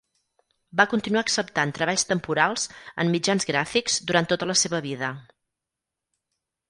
Va continuar acceptant treballs temporals en mitjans gràfics durant tota la seva vida.